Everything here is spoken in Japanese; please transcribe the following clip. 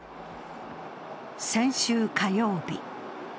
先週火曜日。